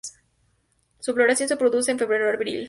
Su floración se produce en febrero–abril.